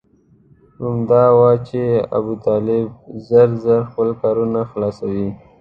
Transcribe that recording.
همدا و چې ابوطالب ژر ژر خپل کارونه خلاصوي.